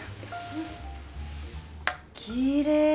きれい！